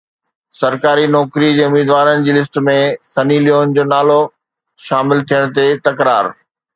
سرڪاري نوڪري جي اميدوارن جي لسٽ ۾ سني ليون جو نالو شامل ٿيڻ تي تڪرار